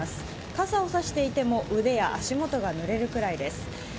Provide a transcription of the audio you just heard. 傘を差していても腕や足元がぬれるくらいです。